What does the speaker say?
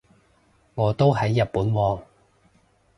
我都喺日本喎